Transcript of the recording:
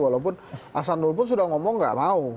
walaupun hasanul pun sudah ngomong gak mau